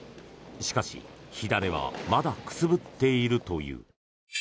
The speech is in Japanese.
しかし、火種はまだくすぶっているという。